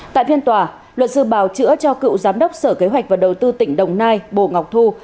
tại phiên tòa luật sư bào chữa cho cựu giám đốc sở kế hoạch và đầu tư tỉnh đồng nai bồ ngọc thu